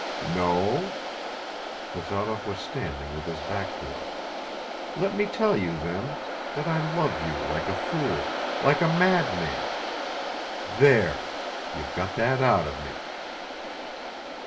"No?" Bazarov was standing with his back to her. "Let me tell you then that I love you like a fool, like a madman ... There, you've got that out of me."